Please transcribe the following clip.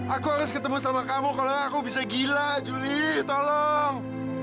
aku harus ketemu sama kamu kalau aku bisa gila juli tolong